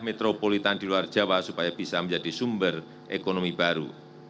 metropolitan di luar jawa supaya bisa menjadi sumber ekonomi baru